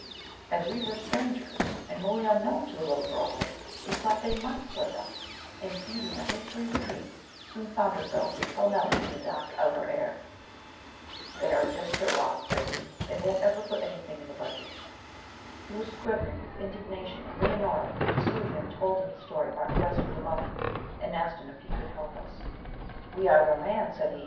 As we were strangers, and wholly unknown to the Lo grollas, we thought they might slate us, and, beating a hasty retreat, soon found ourselves with Pellmelli in the dark outer air. 'They are a desperate lot,' said he; 'they won't ever put anything in the Budget.' He was quivering with indignation; and Leonora, to soothe him, told him the story of our quest for the mummy, and asked him if he could help us. 'We are your man,' said he.